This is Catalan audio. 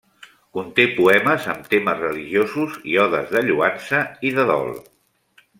Conté poemes amb temes religiosos i odes de lloança i de dol.